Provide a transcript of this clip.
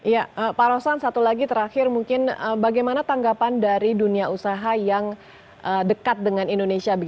ya pak rosan satu lagi terakhir mungkin bagaimana tanggapan dari dunia usaha yang dekat dengan indonesia